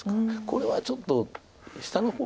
これはちょっと下の方